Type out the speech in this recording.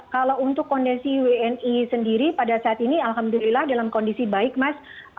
kalau untuk kondisi wni sendiri pada saat ini alhamdulillah dalam kondisi baik mas